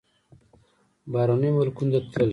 بهرنیو ملکونو ته تللی.